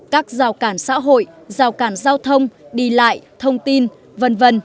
các giao cản xã hội giao cản giao thông đi lại thông tin v v